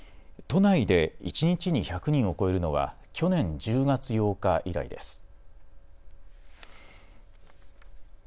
都内で一日に１００人を超えるのは去年１０月８日以来です。